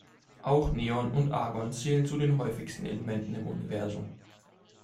Auch Neon und Argon zählen zu den häufigsten Elementen im Universum.